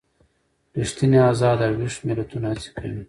ریښتیني ازاد او ویښ ملتونه هڅې کوي.